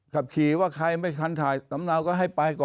ขับขี่ว่าใครไม่ทันถ่ายสำเนาก็ให้ไปก่อน